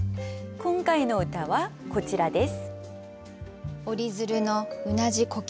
今回の歌はこちらです。